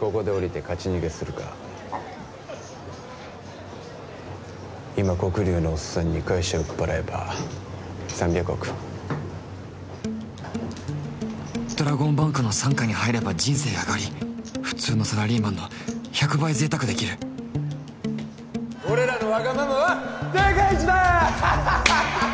ここでおりて勝ち逃げするか今黒龍のおっさんに会社売っぱらえば３００億ドラゴンバンクの傘下に入れば人生あがり普通のサラリーマンの１００倍贅沢できる俺らのワガママは世界一だ！ハハハ